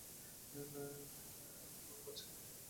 আমি কোনো বাচ্চা নই, মিসেস ক্রিমেন্টজ।